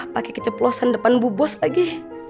pake keceplosan depan bu bos lagi